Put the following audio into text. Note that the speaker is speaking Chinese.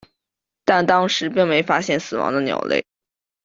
但当时并没发现死亡的鸟类。